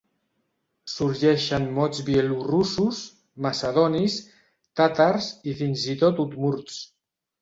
Sorgeixen mots bielorussos, macedònics, tàtars i fins i tot udmurts.